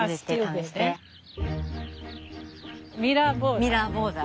ミラーボーダー？